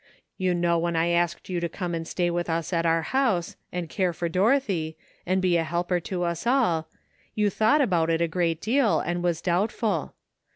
You know when I asked you to come and stay with us at our house, and care for Dorothy, and be a helper to us all, you thought about it a great deal, and was doubtful.